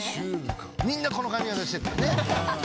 みんなこの髪形にしてんだよね。